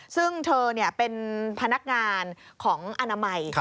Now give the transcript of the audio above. ซึ่งเธอเป็นพนักงานของอนามัย